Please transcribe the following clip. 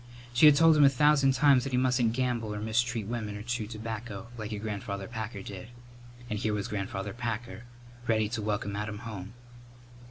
She had told him a thousand times that he mustn't gamble or mistreat women or chew tobacco "like your Grandfather Packer did." And here was Grandfather Packer, ready to welcome Adam home!